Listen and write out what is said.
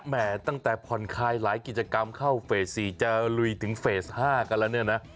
แห่ตั้งแต่ผ่อนคลายหลายกิจกรรมเข้าเฟส๔จะลุยถึงเฟส๕กันแล้วเนี่ยนะ